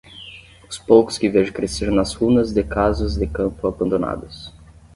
Os poucos que vejo crescer nas runas de casas de campo abandonadas.